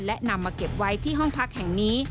และนำมาเก็บไว้ที่ห้องพักแห่งนี้